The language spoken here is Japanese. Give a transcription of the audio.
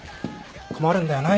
困るんだよな